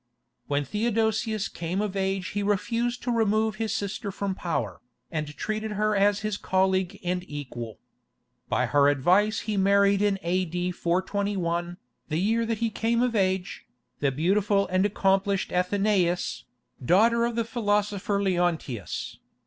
When Theodosius came of age he refused to remove his sister from power, and treated her as his colleague and equal. By her advice he married in A.D. 421, the year that he came of age, the beautiful and accomplished Athenaïs, daughter of the philosopher Leontius.